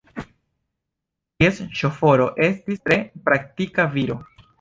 Ties ŝoforo estis tre praktika viro.